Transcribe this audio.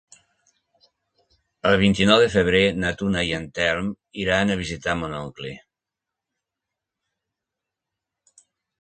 El vint-i-nou de febrer na Duna i en Telm iran a visitar mon oncle.